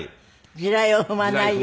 地雷を踏まないように。